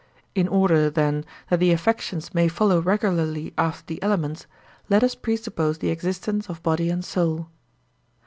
In order, then, that the affections may follow regularly after the elements, let us presuppose the existence of body and soul.